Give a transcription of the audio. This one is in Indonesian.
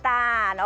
oh sukanya rambutan